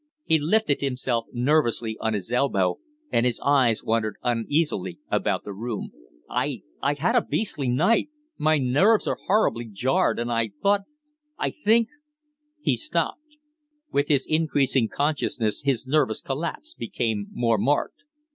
He lifted himself nervously on his elbow and his eyes wandered uneasily about the room. "I I had a beastly night; my nerves are horribly jarred; and I thought I think " He stopped. With his increasing consciousness his nervous collapse became more marked.